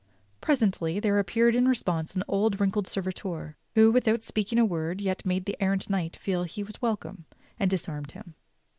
Presently there appeared in response an old and wrinkled servitor, who, without speaking a word yet made the errant knight feel that he was welcome, and disarmed him.